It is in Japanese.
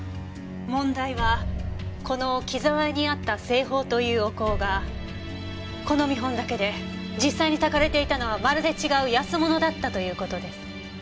問題はこの紀澤屋にあった清鳳というお香がこの見本だけで実際にたかれていたのはまるで違う安物だったという事です。